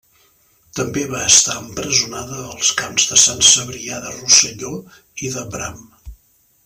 També va estar empresonada als camps de Sant Cebrià de Rosselló i de Bram.